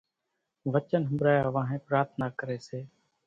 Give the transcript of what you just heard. وچن ۿنڀرايا وانھين پرارٿنا ڪري سي